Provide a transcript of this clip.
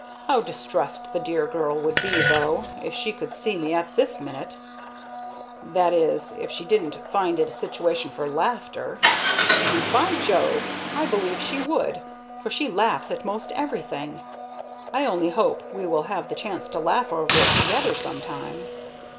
How distressed the dear girl would be, though, if she could see me at this minute! That is, if she didn't find it a situation for laughter, and, by Jove! I believe she would, for she laughs at most everything. I only hope we will have the chance to laugh over it together some time."